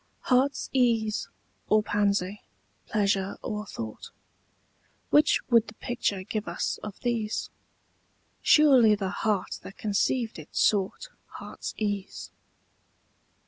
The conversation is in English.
HEART'S ease or pansy, pleasure or thought, Which would the picture give us of these? Surely the heart that conceived it sought Heart's ease.